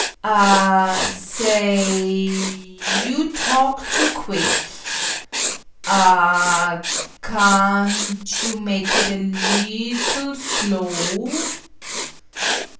"A ah sa ay, you talk too quick. A ah ca an't you make it a leetle slow?